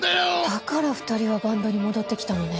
だから２人はバンドに戻ってきたのね。